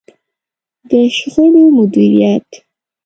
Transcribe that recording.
د شخړو مديريت.